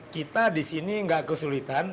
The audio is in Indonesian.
kita di sini nggak kesulitan